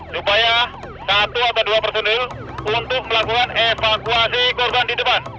supaya satu atau dua personil untuk melakukan evakuasi korban di depan